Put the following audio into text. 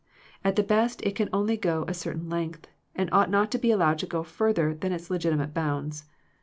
At the best it can only go a certain length, and ought not to be allowed to go further than its legitimate bounds.